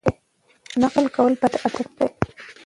نقل کول بد عادت دی.